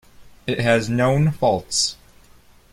It has known faults.